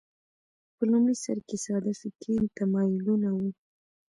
په لومړي سر کې ساده فکري تمایلونه وو